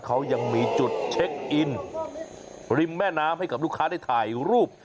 เขายังมีจุดเช็คอินริมแม่น้ำให้กับลูกค้าได้ถ่ายรูป